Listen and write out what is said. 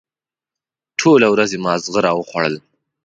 ټوله ورځ یې ماغزه را وخوړل.